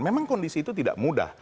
memang kondisi itu tidak mudah